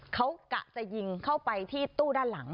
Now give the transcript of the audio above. เขากะจะยิงเข้าไปที่ตู้ด้านหลัง